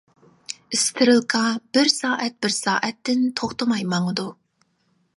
ئىسترېلكا بىر سائەت-بىر سائەتتىن توختىماي ماڭىدۇ.